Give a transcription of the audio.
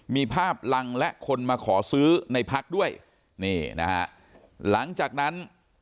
มีภาพลังและคนมาขอซื้อในพักด้วยนี่นะฮะหลังจากนั้น